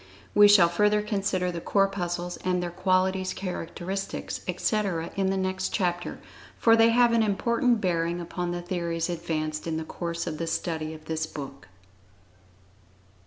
We shall further consider the Corpuscles, and their qualities, characteristics, etc., in the next chapter, for they have an important bearing upon the theories advanced in the course of the study of this book.